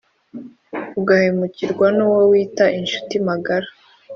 ughemukirwa nuwo wita inshuti magara